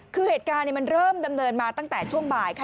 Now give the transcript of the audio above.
คือเหตุการณ์มันเริ่มดำเนินมาตั้งแต่ช่วงบ่ายค่ะ